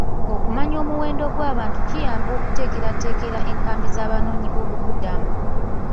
Okumanya omuwendo gw'abantu kiyamba okuteekerateekera enkambi z'abanoonyiboobubudamu.